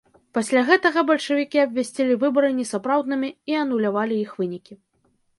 Пасля гэтага бальшавікі абвясцілі выбары несапраўднымі і анулявалі іх вынікі.